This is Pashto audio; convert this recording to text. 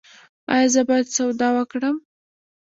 ایا زه باید سودا وکړم؟